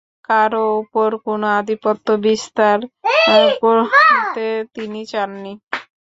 কারও ওপর কোন আধিপত্য বিস্তার করতে তিনি চাননি।